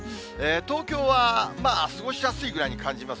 東京は過ごしやすいぐらいに感じます。